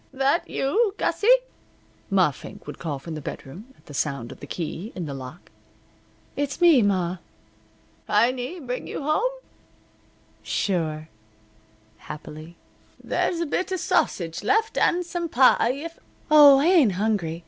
"That you, Gussie?" Ma Fink would call from the bedroom, at the sound of the key in the lock. "It's me, ma." "Heiny bring you home?" "Sure," happily. "There's a bit of sausage left, and some pie if " "Oh, I ain't hungry.